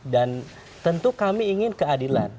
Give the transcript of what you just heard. dan tentu kami ingin keadilan